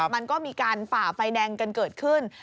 มันก็มีการฝ่าไฟแดงกันเกิดขึ้น